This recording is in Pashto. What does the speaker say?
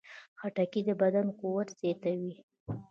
خټکی د بدن قوت زیاتوي.